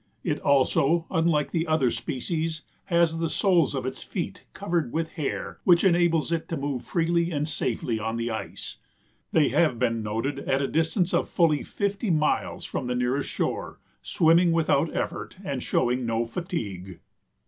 It also, unlike the other species, has the soles of its feet covered with hair which enables it to move more freely and safely on the ice. They have been noted at a distance of fully fifty miles from the nearest shore, swimming without effort and showing no fatigue.